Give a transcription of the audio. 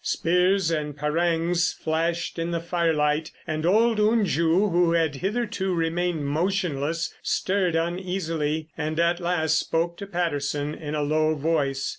Spears and parangs flashed in the firelight, and old Unju, who had hitherto remained motionless, stirred uneasily and at last spoke to Patterson in a low voice.